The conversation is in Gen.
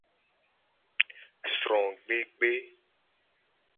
Srogbegbe.